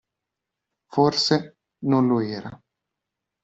Forse, non lo era.